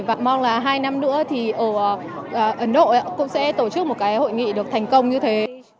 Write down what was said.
và mong là hai năm nữa thì ở ấn độ cũng sẽ tổ chức một cái hội nghị được thành công như thế